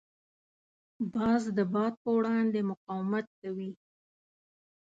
باز د باد په وړاندې مقاومت کوي